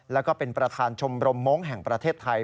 แล้วก็เป็นประธานชมรมมงค์แห่งประเทศไทย